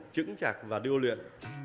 chứng chặt và đưa luyện